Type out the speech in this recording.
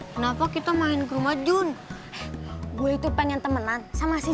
kenapa kita main kerumah jun gue itu pengen temenan sama si